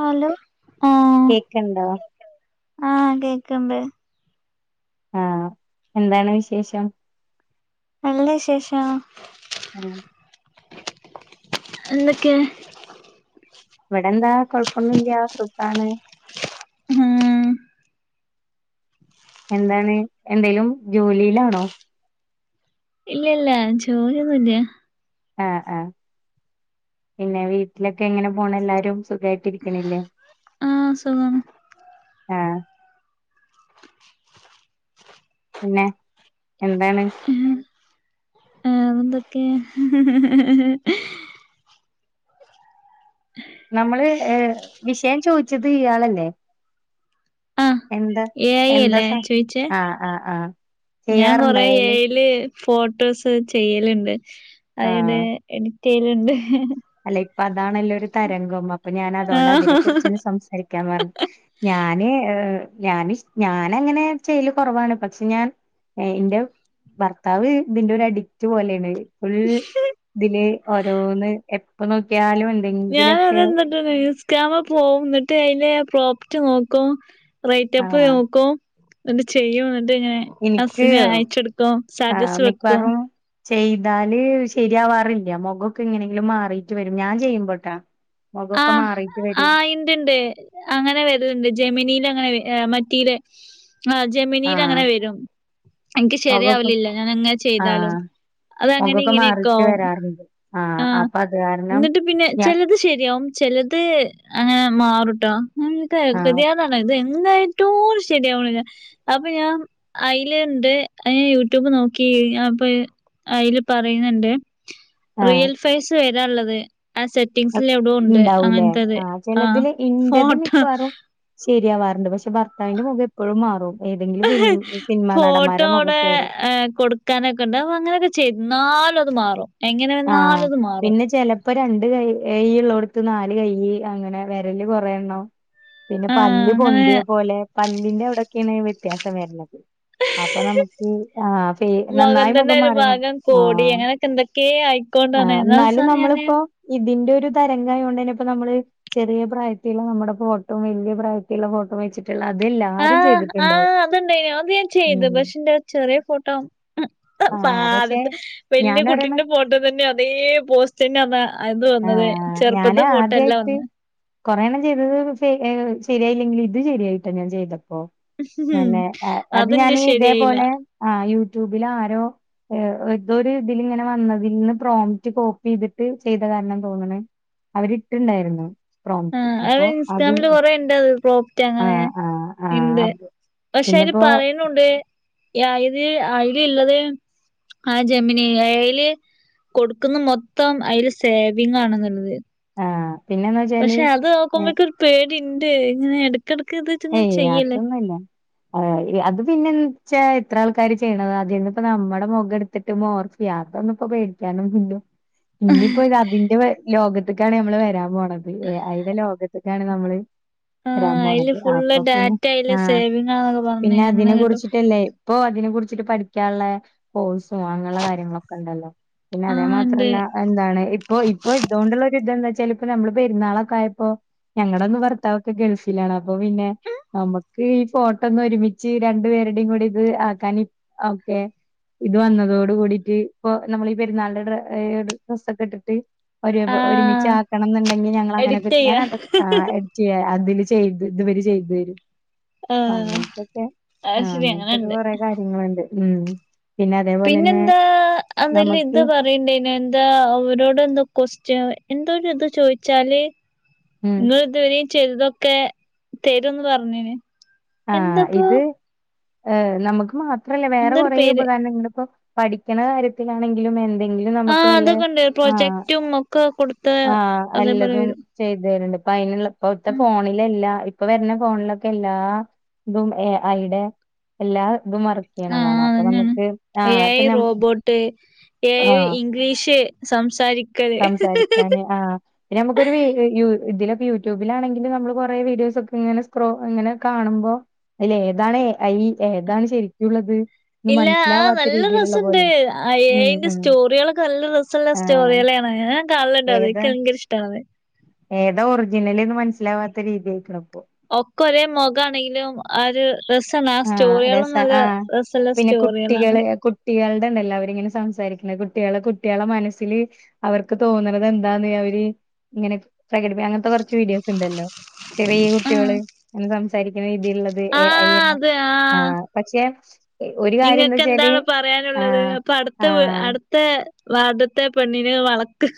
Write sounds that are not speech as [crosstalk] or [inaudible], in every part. Hello ആ കേക്കണ്ടോ കേക്കൊണ്ട് ആ എന്താണ് വിശേഷം നല്ല വിശേഷം ഉം എന്തൊക്കെ ഇവിടെ എന്താ കൊഴപ്പൊന്നുല്ല സുഖാണ് മ്മ് എന്താണ് എന്തെലും ജോലിയിലാണോ ഇല്ലല്ല ചോദൊന്നില്ല ആഹ ആഹ പിന്നെ വീട്ടിലൊക്കെ എങ്ങനെ പോണ എല്ലാരും സുഖമായിട്ട്ിരിക്കണില്ലേ ആഹ സുഖം ആഹ പിന്നെ എന്താണ് അതെന്തൊക്കെയ നമ്മള് ഏർ വിഷയം ചോദിച്ചത് ഇയാളല്ലേ ആഹ് എന്താ എ ഐ എന്താ അല്ലേ ചോയിച്ചേ ആഹ് ആഹ് ആഹ ഞാൻ കൊറെ എ ചെയ്യാറുണ്ടായല് ഐല് ഫോട്ടോസ് ചെയ്യലുണ്ട് അതിടെ ആഹ് എഡിറ്റ് ചെയ്യലുണ്ട് അല്ല ഇപ്പൊ അതാണല്ല ഒരു തരംഗം അപ്പൊ ഞാൻ അതുകൊണ്ട് അതിനെ ആഹ് കുുറിച്ച്ന്നെ സംസാരിക്കാൻ പറഞ്ഞു ഞാന് ഞാന് ഞാാന അങ്ങനെ ചെയ്യല് കുറവാണ് പക്ഷെ ഞാൻ എന്റെ ഭർത്താവ് ഇതിന്റെ ഒരു അഡിക്റ്റ് പോലെയാണ് ഫുൾ ഇതില് ഓരോന്ന് എപ്പ നോക്കിയാലും ഞാന എന്തെങ്കിലൊക്കെ അതെിട്ട് ന്യൂസ്കാമ പോക എന്നിട്ട് അതിന്റെ പ്രോപ്പർട്ട നോക്കും റൈറ്റ് ആ അപ്പ് നോക്കുവോ എന്ന് ചെയ്യോ എന്ന് നെ എനിക്ക് അസിനെ അയച്ചെടുക്കും ആ സാജസ് വെക്കും മിക്കവാറും ചെയ്താല് ശരിയാവാറില്ല മുഖൊക്കെ എങ്ങനെങ്കിലും മാറിട്ട് വരും ഞാൻ ചെയ്യുമ്പോട്ടാ ആ് മുഖൊക്കെ മാറിട്ട് ആ വരും ഇണ്ട്ണ്ട് അങ്ങനെ വരതുണ്ട് ജെമിനീൽ അങ്ങനെ മറ്റയിലെ ആ ആ ജെമനിയിൽ അങ്ങനെ വരും എനിക്ക് മുഖൊക്കെ ശരിയാവലില്ല ഞാാന എങ്ങനെ ആ ചെയ്താലും അതങ്ങനെ മുഖൊക്കെ ഇങ്ങനെയൊക്കെ മാറിട്ട് ആവുംും വരാറുണ്ട് ആ ആഹ അപ്പൊ അത് കാരണം എന്നിട്ട് പിന്നെ ഞ ചിലത് ശരി യാ ചെിലത് അങ്ങനെ ആ മാറൂട്ടോതിയാതണോത് ഇ ഏറ്റവും ശരിയാവണ അപ്പൊ ഞാൻ അലുണ്ട് അ യൂട്യൂബ് നോക്കി അപ്പൊ അതില് പറയുന്നുണ്ട് ആ റിയൽ ഫൈസ് വരാനുള്ളത് ആ സെറ്റിംഗ എവിട ഉണ്ട് ഉണ്ടാവൂലേ അങ്ങനത്തത് ആ ചിലതില് ഇന്റത് ഫോട്ടോ മിക്കവാറും ശരിയാവാറുണ്ട് പക്ഷെ ഭർത്താവിന്റെ മുഖം എപ്പോഴും മാറും ഏതെങ്കിലും ഫിലിം സിനിമാ ഫോട്ടോ നടന്മാരുടെ അവിടെ മുഖൊക്കെ വരും കൊടുക്കാനൊക്കെ ഉണ്ട് അ അങ്ങനെയൊക്കെ ചെയ് ന്നാലത് മാറും എങ്ങനെ ആ വന്നാലും അത് മാറും പിന്നെ ചെലപ്പോ ര ണ്ട് കൈ എയ്യി ള്ളോട്ത്ത് നാല് കൈയ്യ് അങ്ങനെ വെരല് കൊറെണ്ണം പിന്നെ ആഹ് പല്ല് അങ്ങനെ പൊന്ത്യെ പോലെ പല്ലിന്റെ അവ്ടെക്കെണ് വ്യത്യാസം വെര്ന്നത് അപ്പ നമക്ക് ആ ഫെ നന്നായി മുഖത്തിന്റെ ഒരു മുഖംമാറ്യമ ഭാഗം ആ കോടി അങ്ങനെയൊക്കെ എന്തൊക്കെ ആ ആയിക്കൊണ്ടാണ് എന്നാ ന്നാലും അവസാനം ഞാന് നമ്മളിപ്പോ ഇതിൻ്റൊരു രു തരംഗായോണ്ടെന്നെ ഇപ്പ നമ്മള് ചെറിയ പ്രായത്തില്ള്ള നമ്മടെ ഫോട്ടോ വെല്ല്യ പ്രായത്തില്ള്ള ഫോട്ടോ വെച്ചി ആ ആ അത്ണ്ടായിനു അത് ഞാൻ ചെയ്ത് ഉം പക്ഷേ ൻ്റെ ചെറിയ ഫോട്ടം ഹ്‌ഹ് പ ആഹ് ആ പക്ഷെ ആത്‌പ്പെ വെല്ല്യ ഞാനൊരെണ്ണം കുട്ടിന്റെ ഫോട്ടോ ത ന്നെ അതേ പോസ്റ്റെന്നതാ അത് വന്നത് ആഹ് ചെർപ്പത്തെ ഫോട്ടോല്ല വന്നേ കൊറെ എണ്ണം ചെയ്തത് ശെ അ് ശെരിയയില്ലെങ്കിലും ഇത് ശെരിയായിട്ടാ ഞാൻ ചെയ്ത പ്പൊ ഉം നന്നെ അ അത് അതെന്റെ ഞാന് ശരിയായില്ല ഇതേപോലെ ആ യൂ ട്യൂബിലാരോ അ് എതോ രിതിലിങ്ങനെ വന്നതിന്ന് പ്രോംറ്റ് കോപ്പ്യയ്തിട്ട് ചെയ് [unintelligible] നല്ലം തോന്ന്ണ് അവരിട്ട്ണ്ടായിരുന്നു ആ അഅ് ഇൻസ് ഗ്രാമില് കൊറേ ഇണ്ട് അത് പ്രോംപ്റ്റ് അങ്ങനെ ആഹ് ങ്ങനെ ആഹ് ഇണ്ട് ആഹ് പക്ഷെ അയ്ല് പിന്നെപ്പോ പറിണുണ്ട് യാ ഇത് ആയില്ള്ളത് ആ ജെമീന അയ്ല് കൊട്ക്ക്ന്ന മൊത്തം അയ്‌ല് സേവിങ് ആണെന്നുള്ളത് ആഹ് പിന്നെന്ന് വെച്ചാല് പക്ഷെ അത് നോക്കുമ്പൊ ഏ- ഇക്കൊരു പേടിണ്ട് ഇങ്ങനെ ഇ ഏയ് അതൊന്നൊല്ല അഅ് അത് പിന്നെ പ എത്ര ആൾക്കാര് ചെയ്യണത അതിന്നിപ്പോ നമ്മടെ മൊഖ ട്ത്തിട്ട് മോർഫ്യ അതൊന്നുപ്പ പേടിക്കാനുല്ല ഇഞ്പ്പോരതിന്റെ ലോകത്ത്ക്കാണ് നമ്മള് വരാൻ പോണത് ഏ അയ്ൻ്റെ ലോക ത്ത് ക്കാണ് നമ്മള് വരാൻ ആഹ് പോണത്. അയില് ഫുള്ള് അപ്പൊ പിന്നെ ഡാറ്റ അയില് ആ സേവിങ്ങാന്നൊക്കെ പറഞ്ഞ് പിന്നെ അങ്ങനെ അതിനെ കേട്ടു കുറിച്ചിട്ടല്ലേ ഇപ്പോ അതിനെ കുറിച്ചിട്ട് പഠിക്കാള്ളെ കോഴ്‌സ് അങ്ങനെള്ള കാര്യങ്ങളൊക്കെണ്ടല്ലോ പിന്നെ അതേ ആഹ് ഇണ്ട് മാത്രല്ല എന്താണ് ഇപ്പൊ ഇപ്പൊ ഇതോണ്ട് ള്ളൊരു ഇതെന്താ ചിലപ്പോ നമ്മള് പെര്ന്നാളൊക്കയപ്പോ ഞങ്ങടെന്നും ഭർത്താവെക്കെ ഗൾഫിലാണ് അ പ്പൊ പിന്നെ നമക്ക് ഈ ഫോട്ടോന്നൊരുമിച്ച് രണ്ടു പേരു ടിം കൂടി ഇത് ആക്കാൻ ആ കെ ഇത് വന്നതോട് കൂടിട്ട് ഇപ്പൊ നമ്മൾഈ പെര്ന്നാളിൻ്റെ ഡ്ര അ് ഡ്രസ്സൊക്കെ ട്ടിട്ട്. ഒരു ഒരുമി ആഹ് ആക്കണം ന്ന്ണ്ടെങ്കി ഞങ്ങൾ എഡിറ്റ് അങ്ങനക്കെ ചെയ്യാ ഞാനത് ആ എഡറ്റ് ചെയ്യ അതില് ചെയ് ഇതുവരെ ചെയ്തരും പ്പ ആഹ് അങ്ങൻത്തൊക്കെ അത് ആ ശരി അങ്ങൻ ത്തൊക്കെ അങ്ങനെണ്ട് കൊറേ കാര്യങ്ങള്ണ്ട്. ഉം പിന്നെ അതേപോലെന്നെ പിന്നെന്താ എന്തേലും ഇത് നമുക്ക് പറയണ്ടെനി എന്താ അവരോടെന്തൊ കൊസ്റ്റ്യൻ എന്തോ രിത് ചോയ്ച്ചാല് ഉം നി ഇതുവരെ ചെയ്ത ന്തൊക്കെ തരുന്ന് പർഞ്ഞി ണ്. ആ ഇത് ഏ നമക്ക് മാത്രല്ല വേറെ എന്തൊരു കൊറെ പേര് ഉപകരങ്ങങ്ങിപ്പോ പഠിക്ക്ണ കാര്യത്തിലാണെങ്കിലും എ എന്തെങ്കിലും നമക്ക് ആഹ് വല്ല അതൊക്കെ ഉണ്ട് ആ പ്രൊജക്റ്റും ഒക്കെ കൊടുത്ത് ആ അതേപോലെ അല്ലതും വരും ചെയ് തെര്ണ്ട്. അപ്പയ്ന്ള്ള ഇപ്പ ത്തെ ഉം ഫോണിലെല്ലാ ഇപ്പൊ വര്ന്ന ഫോണിലൊക്കെല്ലാ ഇതും ഏ ആയ്ടെ എല്ലാ തും ആഹ് വർക്കെയ്യ്ണതാണ് അപ്പൊ അതന്നെയാണ് നമക്ക് ആ എ ഐ ആപ്പ നമ്മ റോബോട്ട് എ ഐ ആ ഇംഗ്ലീഷ് സംസാരിക്കല് സംസാരിക്കാന് ആ നമക്കൊരു വേഗയു ഇതിലൊ യൂട്യൂബിലാണെങ്കിലും നമ്മള് കൊറെ വീഡിയോസൊക്കെങ്ങനെ സ്ക്‌റോ ഇങ്ങനെ കാണു പ്പൊ അയ്ലെതാണ് ഐ ഏതാണ് ശെരിക്കുള്ളത്. ഇല്ല ആ നല്ല രസണ്ട് ഐ ഉം എയിൻ്റെ ഉം സ്റ്റോറികളൊക്കെ നല്ല രസല്ല ആഹ് സ്റ്റോറികളെ ളാ ഞാകാണലിണ്ടത് ഏതാ ഇൻക്ക് ങ്കെരഷ്ടാണത് ഏതാ ഒറിജിനലിന്ന് മൻസ്സിലവാത്ത രീതിയായ്ക്ക് ണ്‌പ്പൊ ഒക്കൊരെ മൊ ണെങ്കിലും ആ ഒരു രസണ് ആ ആഹ് സ്റ്റോറികളും രസ നല്ല രസല്ല സ്റ്റോറികളാണ്. ട്ടികൾടെണ്ടല്ലൊ അവരിങ്ങനെ സംസാരിക്ക്ണെ കുട്ട്യളെ കുട്ട്യോള മനസ്സില് അവർക്ക് തോന്ന്ണ തെന്താന്ന് ഞ ഇങ്ങനെ പ്രകടിമി അങ്ങനത്തെ കുറച്ച് വീഡിയോസ് ഉണ്ടല്ലോ ചെറിയ ആഹ് കുട്ടികള് അന്ന് സംസാരിക്കുന്ന ള്ളത് അയ്യ ആഹ് അത് ആ ആഹ് പക്ഷേ നിങ്ങൾക്ക് എന്താണ് പറയാനുള്ളത്. ആഹ് അപ്പൊ അടുത്ത ആഹ് അടുത്ത വാർദത്തെ പെണ്ണിനെ വളക്ക്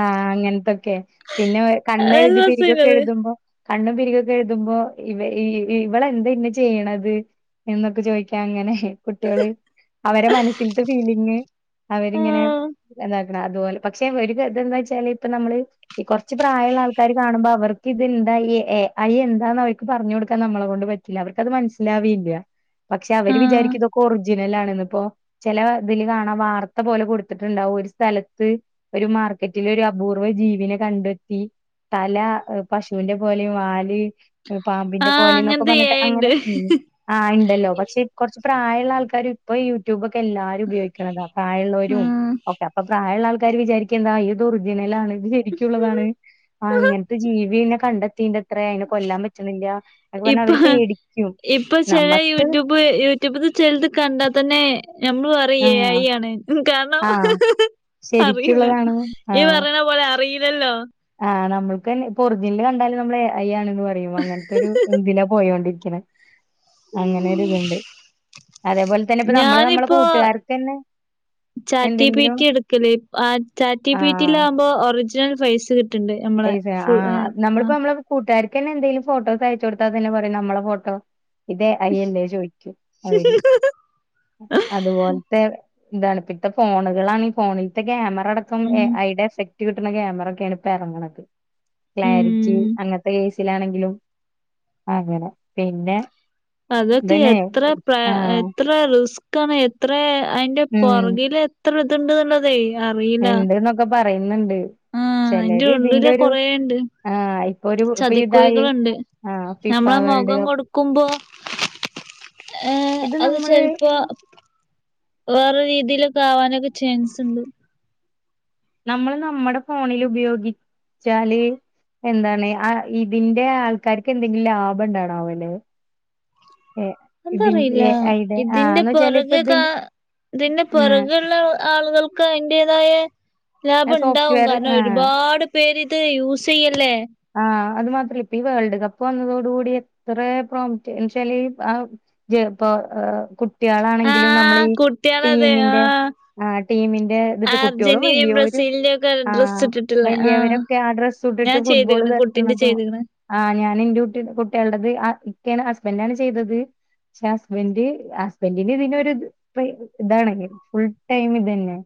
ആഹ അങ്ങനത്തൊക്കെ പിന്നെ അത് നല്ല കണ്ണെഴുതി രസേനു പിരികൊക്കെ അത് എഴുതുമ്പോ. കണ്ണും പിരികൊക്കെ എഴുതുമ്പോ ഇവ ഇവളെന്താ ഇന്ന ചെയ്യണത്. എന്നൊക്കെ ചോദിക്കാ അങ്ങനെ കുട്ടികള്. അവരെ മനസ്സിലത്തെ ഫീലിങ് അവരിങ്ങനെ ആഹ് എന്താക്കണം. അതുപോലെ പക്ഷെ തന്താ വെച്ചാൽ ഇപ്പ നമ്മള് ഈ കുറച്ച് പ്രായമുള്ള ആൾക്കാാര് കാണുമ്പോ അവർക്ക് ഇത്ന്താ എന്താന്ന് അവർക്ക് പറഞ്ഞു കൊടുക്കാൻ നമ്മളെ കൊണ്ട് പറ്റില്ല അവർക്ക് അത് മനസ്സിലാവയില്ല. പക്ഷെ അവര് ആഹ് വിചാരിക്കൊക്കെ ജലാണ് ഇന്നിപ്പോ ചില ഇതില് കാണാൻ വാർത്ത പോലെ കൊടുത്തിട്ടുണ്ടാവും ഒരു സ്ഥലത്ത്. ഒരു മാർക്കറ്റിൽ ഒരു അപൂർവ ജീവനെ കണ്ടെത്തി. തല പശുവിന്റെ പോലെയും വാല് പാമ്പിന്റെ ആഹ് പോലെന്നൊക്കെ അങ്ങനത്തെ എ പറഞ്ഞിട്ട്. ഐ ഇണ്ട് അങ്ങനെ ഉ ആഹ് ഉണ്ടല്ലോ പക്ഷേ കുറച്ച് പ്രായമുള്ള ആൾക്കാരും ഇപ്പൊ യൂട്യൂബ് ഒക്കെ എല്ലാരും ഉപയോഗിക്കുന്നതാ പ്രായമുള്ളവരും ഉം ക്കെ അപ്പൊ പ്രായമുള്ള ആൾക്കാ വിചാരിക്ക എന്താ ഇത് ഒറിജിനല ആാണ് വിചരിക്കുള്ളതാണ് ആ അങ്ങനത്തെ ജീവിെ കണ്ട പറഞ്ഞ് ഇപ്പൊ അവര് പേടിക്കും ഇപ്പൊ ചെില നമ്മക്ക് യൂട്യൂബ് യൂട്യൂബ് ചെത് കണ്ടാ തന്നെ നമ്മള് പറയും എഐആണ് ആഹ ശരിക്കുള്ളതാണ് ഈ ആഹ പറയണ പോലെ അറിയില്ലല്ലോ ആ നമ്മൾ അതെന്നെ ഇപ്പൊ ഒറിജിനൽ കണ്ടാലും നമ്മൾ ഏ ഐ ആണന്ന് പറയും അങ്ങനത്തെൊരു ഇതിലാ പോയോണ്ടിരിക്കണെ അങ്ങനൊരുത്ണ്ട് അതേപോലെ തന്നെ ഇപ്പ നമ്മള് നമ്മളെ കൂട്ടുകാർക്ക് തന്നെ ചാറ്റി എന്തെങ്കിലും പീറ്റി എടുക്കല് ആ ചാറ്റി പീറ്റിയിലാവുമ്പോ ഒറിജിനൽ ഫൈസ് കിട്ട ഏത് ആ നമ്മളിപ്പോ നമ്മള കൂട്ടാ ഇന്നെന്തേലും ഫോട്ടോസ് അയച്ചു കൊടുത്താ തന്നെ പറയും നമ്മളെ ഫോട്ടോ ഇതേ അയ എല്ലേ ചോയ്ക്കും അവര് അതുപോലത്തെ ഇതാണ് ഇപ്പ ഇത്തെ ഫോണുകളാണ് ഈ ഫോണിലത്തെ ക്യാമറ അടക്കം ഏ ഉം ഐടെ എഫക്ട് കിട്ടുന്ന ക്യാമറക്കെയാണ് ഇപ്പൊ ഇറങ്ങുന്നത് ക്ലാരിറ്റി ഉം അങ്ങനത്തെ കേസിലാണെങ്കിലും അങ്ങനെ പിന്നെ അതൊക്കെ ഇതന്നെ എത്ര പ്ര ആഹ് എത്ര റിസ്ക് ക്കാണ് എത്ര അയിന്റെ ഉം പുറകില എത്ര ഇതുണ്ട് എന്നുള്ളതെ അറീല പറയുന്ന്ണ്ട് ആഹ് അതിന്റെ ഉള്ളില കൊറെേണ്ട് ആഹ് ഇപ്പൊ ഒരു ഇപ്പൊ ഇതായി ചതിക്കുഴികളുണ്ട് ആഹ് ഫിഫ ഞമ്മളെ വേൾഡ് മുഖം കപ്പ് കൊടുക്കുമ്പോ ഏ ഇത് അത് നമ്മള് ചിലപ്പോ വേറെ രീതി തിലൊക്കാവനൊക്കെ ചാൻസ് ണ്ട് നമ്മള് നമ്മുടെ ഫോണിൽ ഉപയോഗിച്ചാല് എന്താണ് ആ ഇതിന്റെ ആൾക്കാാര്ക്ക് എന്തെങ്കിലും ലാഭം ഇണ്ടാണാവലെ എന്തറിയില്ല ഐടെ ഇതിന്റെ ആന്ന് വെച്ചാല് ഇപ്പ പിറകെ കാ ഇതിന്റെ ഇതിന്റെ പുറകെള്ള ആളുകൾ ക്കതിന്റതായ ആ ലാഭം ഉണ്ടാവും സോഫ്റ്റ്വെയർ കാരണം ആ ഒരുപാട് പേര് ഇത് യൂസ് ചെയ്യല്ലേ ആഹ് അത് മാത്ര ഇപ്പ വേൾഡ് കപ്പ് ഇപ്പ വന്നതോടു കൂടി എത്ര പ്ര എന്നച്ചാല് ആ ഇപ്പ കുട്ടിയളാണെങ്കിലും നമ്മുടെ ആഹ് ഈ കുട്ടികളത് ടീന്റെ ആഹ് ആ ടീമിന്റെ ഇത്ട്ട് കുട്ട്ട്യോളും അർജന്റീനയും വല്യോലും ബ്രസീലിന്റെയും ഒക്കെ ആ ഡ്രസ്സ് ഇട്ടിട്ടുള്ള ആഹ് വലിയവരൊക്കെ അഡ്രസ്സ് ഞാൻ ഇട്ടിട്ട് ഫുഡ്ബോൾ ചെയ്ത്ക്ക്ണ് കുട്ടിന്റെ തട്ട്ണതും ചെയ്ത്ക്ക്ണ് ആ ഞാൻ ന്റെ കുട്ടി കുട്ട്യോളത് ഇക്കെണ് ഹസ്ബൻഡാണ് ചെയ്തത് പക്ഷെ ഹസ്ബൻഡറ് ഹസ്ബന്ഡന് ഇതിലൊരു ഇതാണ് ഫുൾ ടൈം ഇത് തന്നെ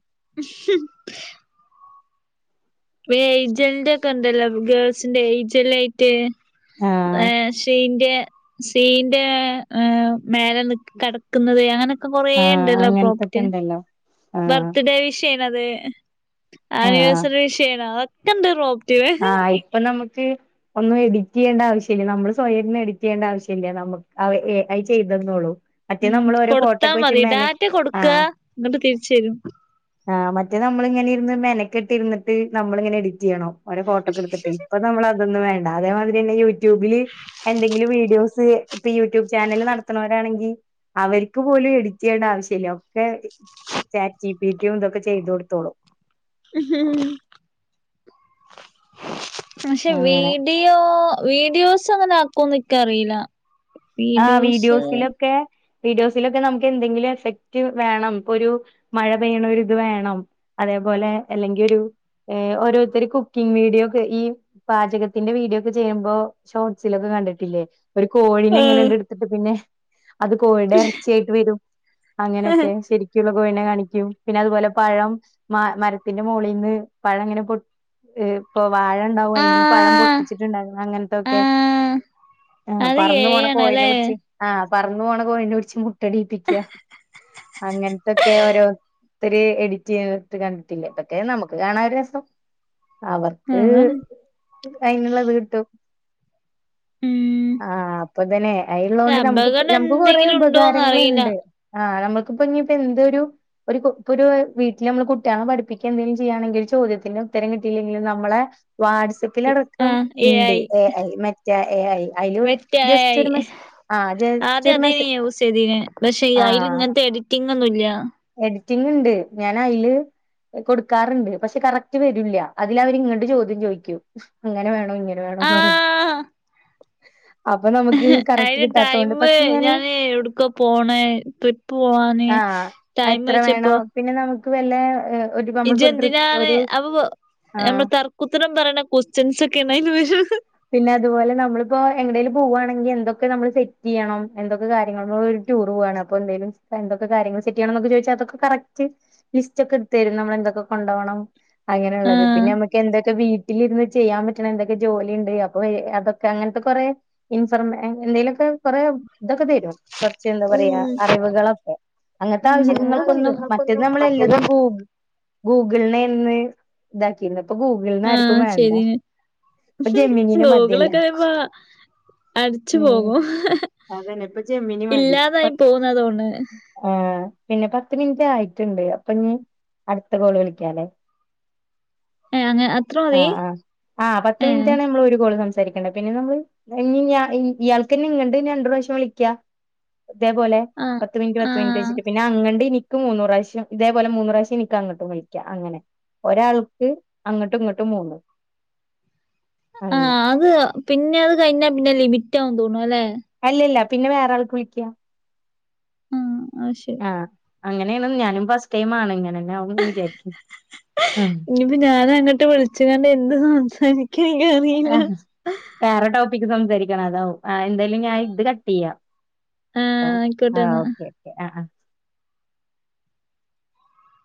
വേയ്ജലിന്റെക്കെന്തല്ലോ ഗേൾസിന്റെ എയ്ജല്ലയിട്ട് ആഹ് ഏ സീന്റെ മേലെ നി കിടക്കുന്നത് അങ്ങനെ കൊറേ ആഹ് ഇണ്ടല്ലോ അങ്ങനത്തൊക്കെ പ്രോപ്പർട്ടി ഉണ്ടല്ലോ ആഹ് ബർത്ത്ഡേ വിഷയണത് ആനിവേഴ്സറി വിഷയണ് അതൊക്കെ എന്ത റോ ആഹ ഇപ്പൊ നമുക്ക് ഒന്നും എഡിറ്റ് ചെയ്യേണ്ട ആവശ്യമില്ല നമ്മള് സ്വയംന്ന് എഡിറ്റ് ചെയ്യേണ്ട ആവശ്യമില്ല നമ്മക് മറ്റേ ഉം നമ്മൾ ഓരോ കൊടുത്താ ഫോട്ടോക്കെ വെച്ച് മതി മെന ഡാറ്റ കൊടുക്ക ആഹ് ഇങ്ങട്ട് തിരിച്ച് തരും ആഹ് മറ്റേ നമ്മളിങ്ങനെ ഇരുന്ന് മെനക്കട്ടിരുന്നിട്ട് നമ്മളിങ്ങനെ എഡിറ്റ് ചെയ്യണോ ഒര ഫോട്ടോക്കെടുത്തിട്ട് ഇപ്പ നമ്മള് അതൊന്ന് വേ അതേമാതിരി തന്നെ യൂട്യൂബില് എന്തെങ്കിലും വീഡിയോസ് ഇപ്പ യൂട്യൂബ് ചാനല് നടത്തണോരാണെങ്കിൽ അവർക്ക് പോലും എടിറ്റ് ചെയ്യേണ്ട ആവശ്യമില്ല ഒക്കെ ചാറ്റി പീറ്റും ഇതൊക്കെ ചെയ്ത് കൊടുത്തോളും പക്ഷെ അങ്ങനെ വീഡിയോ വീഡിയോസ് അങ്ങനെ ആക്കും ന്ന്ക്കറീല്ല ആ വീഡിയോസിലൊക്കെ വീഡിയോസിലൊക്കെ നമുക്ക് എന്തെങ്കിലും എഫക്ട് വേണം ഇപ്പൊ ഒരു മഴ പെയ്യണ ഒരു ഇത് വേണം അതെ അതു പോലെ അല്ലങ്കി ഒരു ഓരോരുത്തർ കുക്കിംഗ് വീഡിയോ ഒക്കെ ഈ പാചകത്തിന്റെ വീഡിയോ ഒക്കെ ചെയ് ചെയ്യുമ്പോ ഷോർട്സിലൊക്കെ കണ്ടിട്ടില്ലേ ഒരു കോഴിനെ ഇങ്ങനെ എടുത്തിട്ട് പിന്നെ അത് കോഴിടെ ഇറച്ചിയായിട്ട് വരും അങ്ങനൊക്കെ ശരിക്കുള്ള പിന്നെ കാണിക്കും പിന്നെ അതുപോലെ പഴം മ മരത്തിന്റെ മേളിന്ന് പഴം ഇങ്ങനെ പൊ ഏ പ്പൊ. വാഴ ഉണ്ടാവും ആ അയിന്ന് പഴം പൊട്ടിച്ചിട്ടുണ്ടാകും അങ്ങനത്തെ ആ ക്കെ ആ അത് എ ഐ പറന്ന്പോണ കോഴിനെ ആണല്ലേ പിടിച്ച് ആ പറന്നു പോണ കോഴിനെ പിടിച്ച് മുട്ടടിപ്പിക്യ. അങ്ങൻത്തൊക്കെ ഓരോ. ത്തിരി എഡിറ്റെയതിട്ട് കണ്ടിട്ടില്ലേ ഇതൊക്കെ നമുക്ക് കാണാനുരസം. അവർക്ക് അതാണ് അയിനുള്ളത് കിട്ടും. ഉം ആഹ്. എ പക്ഷെ അയ്ലുള്ളൊണ്ട് നമ്മക്ക് ഇപ്പ അപകടം നമ്മക്ക് കൊറേ എന്തെങ്കിലും ഉണ്ടോന്ന് അറിയില്ല ഉപകാരങ്ങളണ്ട്. ആഹ് നമ്മക്കിപ്പനി ഇപ്പൊ എന്തൊരു ഒരു ഇപ്പൊരു വീട്ടില് നമ്മള് കുട്ട്യാളെ പഠിപ്പിക്ക എന്തെങ്കിലും ചെയ്യാണെങ്ക ചോ ചോദ്യത്തിൻ ഉത്തരക്കിട്ടില്ലെങ്കിലും നമ്മളെ. ആ വാട്സപ്പിലടക്കം എ ഇണ്ട് എ ഐ മറ്റേ എ ഐ അയിലും. വെറ്റ എ ഐ ആദ്യ അതേനി മെസ്സേ യൂസ് ചെയ്തിനെ പക്ഷെ ഇ അയിൽ ഇങ്ങനത്തെ എഡിറ്റിങ്ങ്. ങ്ങൊന്നൂല്യ. എഡിറ്റിങ് ഇണ്ട് ഞാൻ അയില്. കൊടുക്കാറുണ്ട് പക്ഷെ കറക്റ്റ് വരുല്ല അതിൽ അവരിങ്ങട്ട് ചോദ്യം ചോയിക്കും അങ്ങനെ വേ ഇങ്ങനെ ആ വേണോന്ന് പറഞ്ഞിട്ട്. അപ്പൊ നമുക്ക് അഹ് കറക്റ്റ് അയിന് ടൈം കിട്ടാത്തോണ്ട് പക്ഷെ ഞാന് ഞാൻ എവ്ട്ക്കൊ പോണ ട്രിപ്പ്‌ പോവാന്. ടൈം ആത്രേ വേണം പിന്നെ നമുക്ക് വല്ല ഹ്. ഇജെന്തിനാണ് അപ്പൊ. ആ നമ്മൾ തർക്കുത്തരം പറയ്ണ ക്വസ്റ്റ്യൻസ് ഒക്കെയാണ് അയില് വരാ പിന്നെ അതുപോലെ നമ്മളിപ്പോ എങ്ങടേലും പോവുവാണെങ്കിൽ എന്തൊക്കെ നമ്മള് സെറ്റ് ചെയ്യണം എന്തൊക്കെ കാര്യങ്ങള്ക്ക് വേ ടൂർ പോവണ് അപ്പോ എന്തെലും എന്തക്കെ കാര്യങ്ങൾ സെറ്റ് ചെയ്യണംന്ന് ചോദിച്ചാ അതൊക്കെകറക്റ്റ് ലിസ്റ്റ്ഒക്കെ നമ്മൾ എ ന്തെക്കെ കൊണ്ടോകണം അങ്ങനെയുള്ളത് ആ പിന്നെ നമുക്ക് എന്തൊക്കെ വീട്ടിലിരുന്ന് ചെയ്യാൻ പറ്റ്ണഎന്തൊക്കെ ജോലിഉ ഇ അപ്പൊ ഐ അതൊക്കെ അങ്ങനത്തെകൊറെ ഇൻഫർമ എന്തെലുമൊക്കെ. കൊറെ ഇതൊക്കെ തരും കുറച്ച് എന്താ ഉം പറയാ അറിവുകളൊക്കെ. അങ്ങനത്തെ ഉം അതൊക്കെണ്ട് ആവശ്യങ്ങൾക്കൊന്നും മറ്റന്ന് നമ്മൾ എല്ലതുംപോകും. ഗൂഗിളിനെ എന്ന് ഇതാക്കിരുന്നത് ഇപ്പൊ ഗൂഗിളിനെ ആർക്കും വേണ്ട. ഇപ്പൊ ജെമിനിനെ മതിയല്ലേ ഗുഗിൾളൊക്കെപ്പ അടിച്ചു ഉം പോകും അതന്നെ ഇപ്പൊ ജെമ്മിനി മതി പ ഇല്ലാതായി പോകുന്നതോണ് ആഹ. പിന്നെ പത്ത് മിനിറ്റ് ആയിട്ടുണ്ട് അപ്പോ ഇനി അടുത്ത കോൾ വിളിക്കാലേ? ഏ അങ്ങ അത്ര മതി ആ പത്ത് ഏഹ്. മിനിറ്റ് ആണ് നമ്മൾ ഒരു കോൾ സംസാരിക്കേണ്ടെ പിന്നെ നമ്മള് ന്ന ന്ന ഇ ഇയാൾക്കന്നെ ഇങ്ങട്ട് രണ്ട് പ്രാവിശ്യം വിളിക്കാ. ഇതേ പോലെ ആഹ് പത്ത് മിനിറ്റ് പത്ത് മിനിറ്റ് ആഹ് വെച്ചിട്ട് പിന്നെ അങ്ങണ്ട് ഇനി ക്ക് മൂന്ന് പ്രാവിശ്യം ഇതേ പോലെ മൂന്ന് പ്രാവിശ്യം എനിക്ക് അങ്ങോട്ട് വിളിക്ക അങ്ങനെ. ഒരാൾക്ക് അങ്ങട്ടും ഇങ്ങട്ടും മൂന്ന്. ആഹ് അങ്ങനെ അത് പിന്നെ അത് കഴിഞ്ഞാ പിന്നെ ലിമിറ്റ് ആകും ന്ന് തോന്നു അല്ലെ? അല്ല അല്ല പിന്നെ വേറെ ആൾക്ക് വിളിക്ക. ആഹ് അ ശരി. അങ്ങനെയണ് ഞാനും ഫസ്റ്റ് ടൈം ആണ് ഇങ്ങനെ. ഇനിയിപ്പ ഞാൻ അങ്ങട്ട് വിളിച്ച്കാണ്ട് എന്ത് സംസാരി ക്ക ൻക്ക് ആ അറീല. വേറെ ടോപ്പിക്ക് സംസാരിക്കണം അതാവും. ആഹ് എന്തായാലും ഞാൻ ഇത് കട്ട് ചെയ്യാം ആഹ് ആഹ് ആയിക്കോട്ടെന്നാ ഓക്കെ ഓക്കെ ആഹ് ആഹ്.